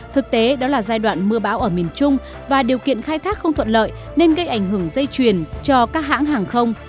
thực tế đó là giai đoạn mưa bão ở miền trung và điều kiện khai thác không thuận lợi nên gây ảnh hưởng dây truyền cho các hãng hàng không